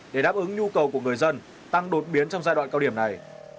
để đáp ứng nhu cầu của người dân tăng đột biến trong giai đoạn cao điểm này